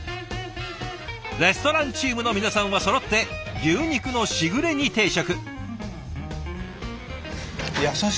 レストランチームの皆さんはそろって牛肉のしぐれ煮定食。